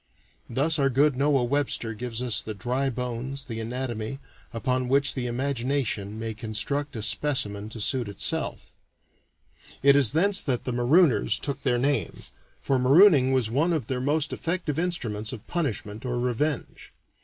Thus our good Noah Webster gives us the dry bones, the anatomy, upon which the imagination may construct a specimen to suit itself. It is thence that the marooners took their name, for marooning was one of their most effective instruments of punishment or revenge.